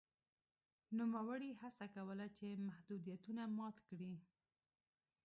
نوموړي هڅه کوله چې محدودیتونه مات کړي.